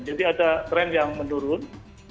jadi ada tren yang menurun